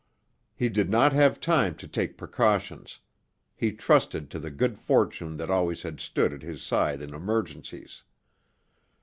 He did not have time to take precautions; he trusted to the good fortune that always had stood at his side in emergencies.